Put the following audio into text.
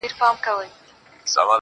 له دې نه مخكي چي ته ما پرېږدې.